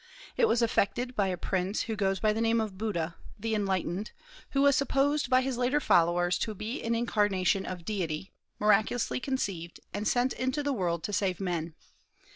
It was effected by a prince who goes by the name of Buddha, the "Enlightened," who was supposed by his later followers to be an incarnation of Deity, miraculously conceived, and sent into the world to save men.